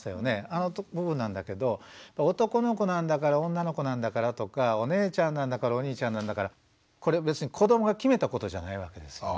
あの部分なんだけど男の子なんだから女の子なんだからとかお姉ちゃんなんだからお兄ちゃんなんだからこれ別に子どもが決めたことじゃないわけですよ。